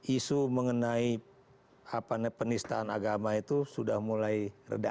isu mengenai penistaan agama itu sudah mulai reda